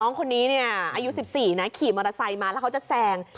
คนนี้เนี่ยอายุ๑๔นะขี่มอเตอร์ไซค์มาแล้วเขาจะแซง